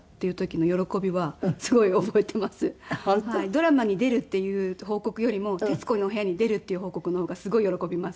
ドラマに出るっていう報告よりも『徹子の部屋』に出るっていう報告の方がすごい喜びます。